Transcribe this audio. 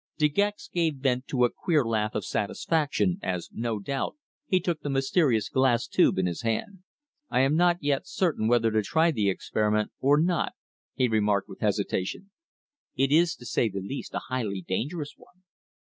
De Gex gave vent to a queer laugh of satisfaction, as, no doubt, he took the mysterious glass tube in his hand. "I am not yet certain whether to try the experiment or not," he remarked with hesitation. "It is, to say the least, a highly dangerous one."